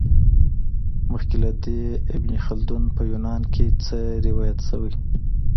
مخکي له دې، ابن خلدون په یونان کي څه روایت سوی؟